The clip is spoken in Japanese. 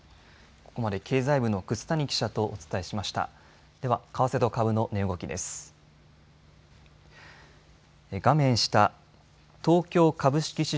ここまで経済部の楠谷記者とお伝えしました。